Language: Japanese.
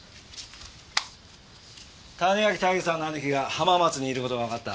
谷垣泰治さんの兄貴が浜松にいる事がわかった。